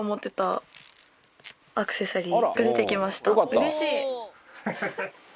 うれしい！